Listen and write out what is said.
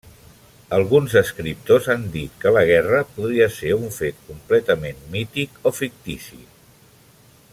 Alguns escriptors han dit que la guerra podria ser un fet completament mític o fictici.